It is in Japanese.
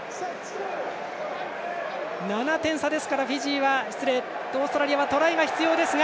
７点差ですからオーストラリアはトライが必要。